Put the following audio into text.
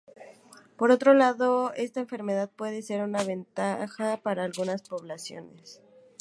Por otro lado esta enfermedad puede ser una ventaja para algunas poblaciones.